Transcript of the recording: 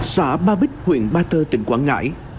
xã ba bích huyện ba tơ tỉnh quảng ngãi